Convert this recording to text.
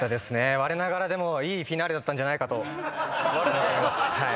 われながらいいフィナーレだったんじゃないかと思っております。